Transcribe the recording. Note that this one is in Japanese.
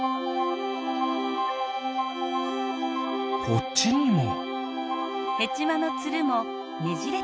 こっちにも。